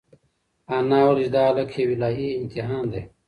انا وویل چې دا هلک یو الهي امتحان دی.